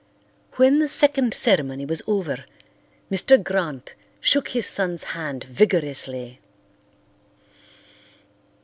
When the second ceremony was over, Mr. Grant shook his son's hand vigorously.